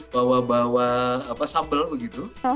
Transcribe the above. bawa bawa apa sambal begitu